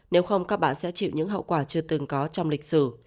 nếu không các bạn sẽ chịu những hậu quả chưa từng có trong lịch sử